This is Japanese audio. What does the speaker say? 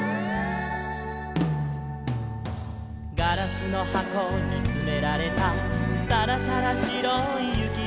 「ガラスのはこにつめられた」「さらさらしろいゆきでした」